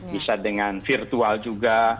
bisa dengan virtual juga